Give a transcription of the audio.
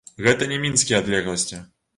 Гэта не мінскія адлегласці.